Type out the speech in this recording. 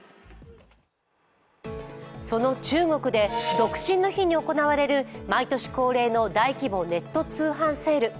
その中国で独身の日に行われる毎年恒例の大規模ネット通販セール。